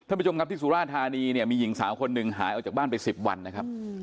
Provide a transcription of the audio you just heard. ท่านผู้ชมครับที่สุราธานีเนี่ยมีหญิงสาวคนหนึ่งหายออกจากบ้านไป๑๐วันนะครับ